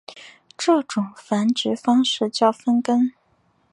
这种繁殖方式叫分根。